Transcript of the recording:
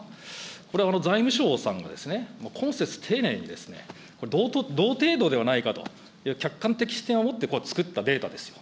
これは財務省さんが懇切丁寧に、同程度ではないかと客観的視点を持って作ったデータですよ。